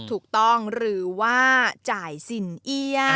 ถูกต้องหรือว่าจ่ายสินเอี้ย